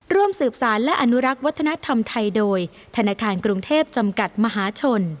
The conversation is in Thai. ร่วมสืบสารและอนุรักษ์วัฒนธรรมไทยโดยธนาคารกรุงเทพจำกัดมหาชน